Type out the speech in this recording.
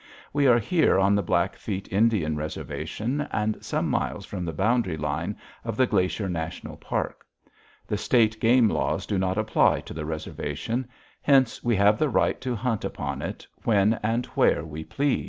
We are here on the Blackfeet Indian Reservation, and several miles from the boundary line of the Glacier National Park. The state game laws do not apply to the reservation, hence we have the right to hunt upon it when and where we please.